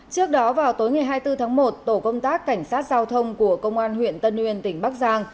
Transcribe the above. trước đó vào tối ngày hai mươi bốn tháng một tổ công tác cảnh sát giao thông của công an huyện tân uyên tỉnh bắc giang